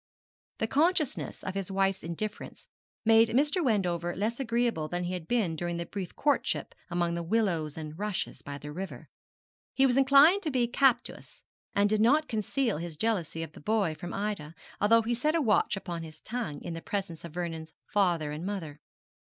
The consciousness of his wife's indifference made Mr. Wendover less agreeable than he had been during that brief courtship among the willows and rushes by the river. He was inclined to be captious, and did not conceal his jealousy of the boy from Ida, although he set a watch upon his tongue in the presence of Vernon's father and mother.